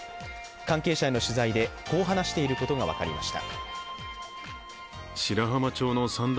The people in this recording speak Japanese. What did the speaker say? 関係者への取材で、こう話していることが分かりました。